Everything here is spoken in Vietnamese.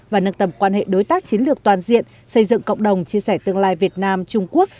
và nâng tầm quan hệ đối tác chiến lược toàn diện xây dựng cộng đồng chia sẻ tương lai việt nam trung quốc